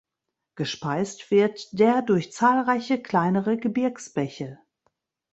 Gespeist wird der durch zahlreiche kleinere Gebirgsbäche.